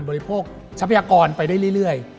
บริโภคทรัพยากรไปได้เรื่อย